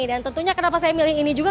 dan tentunya kenapa saya memilih ini juga